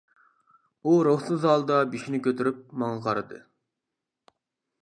ئۇ روھسىز ھالدا بېشىنى كۆتۈرۈپ ماڭا قارىدى.